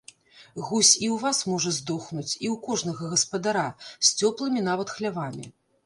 Гусь і ў вас можа здохнуць, і ў кожнага гаспадара, з цёплымі нават хлявамі.